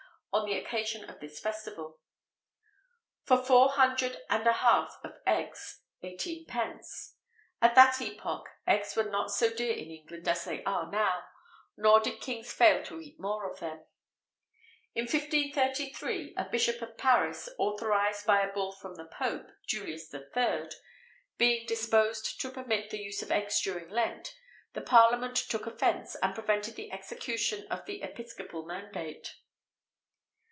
on the occasion of this festival: "For four hundred and a half of eggs, eighteen pence."[XVIII 89] At that epoch eggs were not so dear in England as they are now; nor did kings fail to eat more of them. In 1533, a bishop of Paris, authorised by a bull from the Pope, Julius III., being disposed to permit the use of eggs during Lent, the parliament took offence, and prevented the execution of the episcopal mandate.